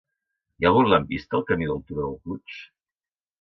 Hi ha algun lampista al camí del Turó del Puig?